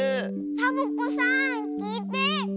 サボ子さんきいて。